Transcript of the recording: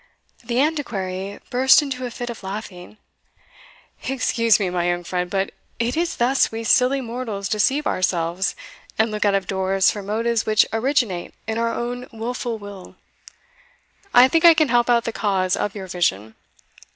The Antiquary burst into a fit of laughing. "Excuse me, my young friend but it is thus we silly mortals deceive ourselves, and look out of doors for motives which originate in our own wilful will. I think I can help out the cause of your vision.